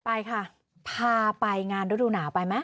ไปค่ะพาไปงานดูหน่าไปมั้ย